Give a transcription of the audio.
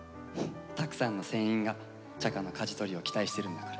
たくさんの船員がちゃかのかじ取りを期待してるんだから。